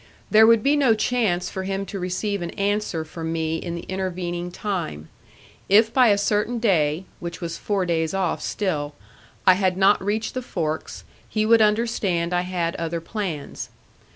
There would be no chance for him to receive an answer from me in the intervening time. If by a certain day which was four days off still I had not reached the forks, he would understand I had other plans.